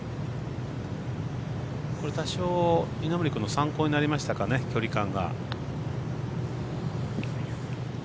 これ、多少稲森君の参考になりましたかね距離感が。